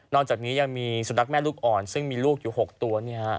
จากนี้ยังมีสุนัขแม่ลูกอ่อนซึ่งมีลูกอยู่๖ตัว